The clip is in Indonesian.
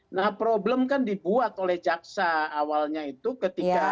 nah problem kan dibuat oleh jaksa awalnya itu ketika